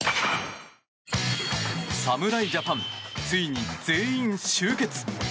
侍ジャパン、ついに全員集結！